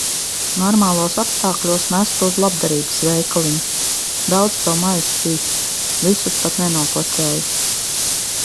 Normālos apstākļos nestu uz labdarības veikaliņu. Daudz to maisu bija, visus pat nenofočēju.